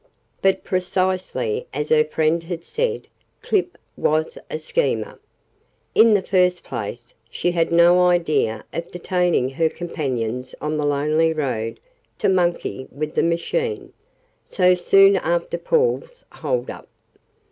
But, precisely as her friend had said, Clip was a schemer. In the first place, she had no idea of detaining her companions on the lonely road to "monkey with the machine," so soon after Paul's hold up.